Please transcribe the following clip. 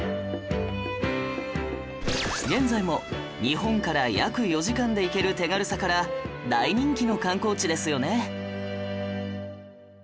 現在も日本から約４時間で行ける手軽さから大人気の観光地ですよね